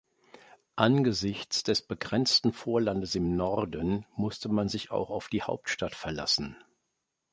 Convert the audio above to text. Angesichts des begrenzten Vorlandes im Norden musste man sich auch auf die Hauptstadt verlassen.